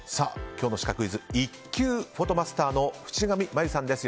今日のシカクイズ１級フォトマスターの渕上真由さんです。